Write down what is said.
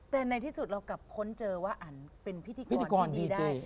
แต่ในที่สุดเรากลับค้นเจอว่าอันเป็นพิธีกรที่ดีได้